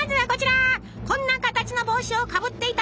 こんな形の帽子をかぶっていたのは？